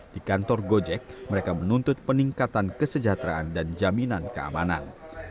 di kantor gojek mereka menuntut peningkatan kesejahteraan dan jaminan keamanan